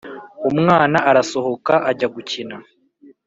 umwana arasohoka ajya gukina,